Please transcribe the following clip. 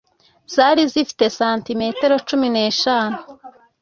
zari zifite sentimetero cumi n'eshanu